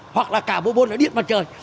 bộ môn là điện mặt trời